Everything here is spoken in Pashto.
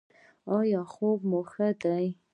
ایا خوب مو ښه دی؟